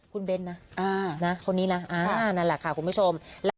คุณเบ้นนะคนนี้นะนั่นแหละค่ะคุณผู้ชม